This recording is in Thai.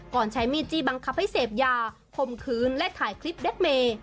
ใช้มีดจี้บังคับให้เสพยาคมคืนและถ่ายคลิปแล็กเมย์